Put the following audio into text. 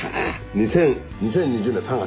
２０２０年３月。